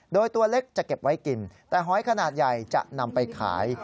โดยตัวเล็กจะเก็บไว้กินแต่หอยขนาดใหญ่จะนำไปขาย